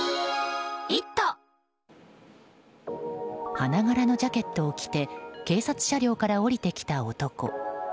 花柄のジャケットを着て警察車両から降りてきた男。